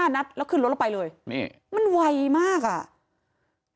นัดแล้วขึ้นรถเราไปเลยนี่มันไวมากอ่ะ